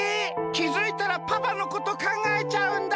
きづいたらパパのことかんがえちゃうんだ。